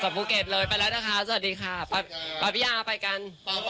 จากภูเก็ตเลยไปแล้วนะคะสวัสดีค่ะสวัสดีค่ะไปกัน